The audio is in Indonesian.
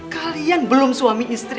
kalian belum suami istri